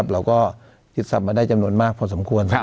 เราก็ยึดทรัพย์มาได้จำนวนมากพอสมควร